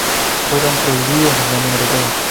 Fueron prohibidos en la Unión Europea.